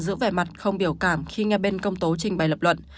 giữ về mặt không biểu cảm khi nghe bên công tố trình bày lập luận